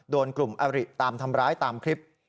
โดนกลุ่มอริตามทำร้ายตามคลิป